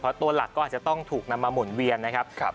เพราะตัวหลักก็อาจจะต้องถูกนำมาหมุนเวียนนะครับ